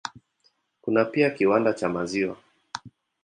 Kuna pia kiwanda cha maziwa.